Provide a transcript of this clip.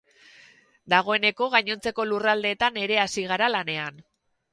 Dagoeneko gainontzeko lurraldeetan ere hasi gara lanean.